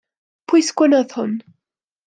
Pwy sgwenodd hwn?